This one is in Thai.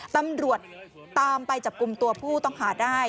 ตำรวจตามไปจับกลุ่มตัวผู้ต้องหาได้